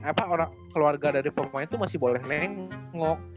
apa keluarga dari pemain itu masih boleh nengok